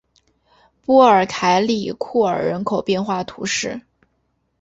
波尔凯里库尔人口变化图示